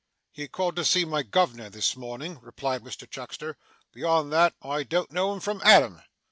'He called to see my Governor this morning,' replied Mr Chuckster; 'beyond that, I don't know him from Adam.